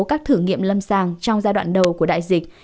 các thử nghiệm lâm sàng trong giai đoạn đầu của đại dịch